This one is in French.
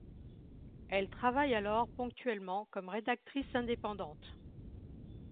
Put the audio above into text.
Elle travaille alors ponctuellement comme rédactrice indépendante.